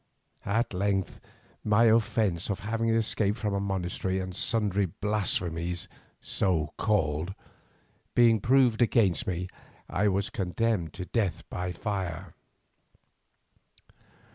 At length my offence of having escaped from a monastery and sundry blasphemies, so called, being proved against me, I was condemned to death by fire.